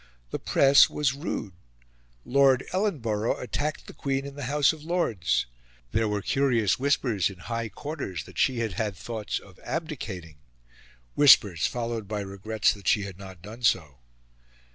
The press was rude; Lord Ellenborough attacked the Queen in the House of Lords; there were curious whispers in high quarters that she had had thoughts of abdicating whispers followed by regrets that she had not done so.